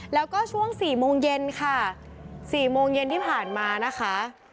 แล้วก็ช่วง๔โมงเย็นค่ะ๔โมงเย็นที่ผ่านมานะคะ